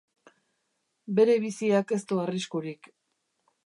Bere biziak ez du arriskurik.